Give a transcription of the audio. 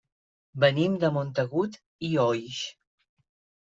Venim de Montagut i Oix.